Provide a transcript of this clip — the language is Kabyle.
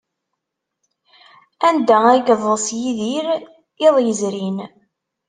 Anda ay yeḍḍes Yidir iḍ yezrin?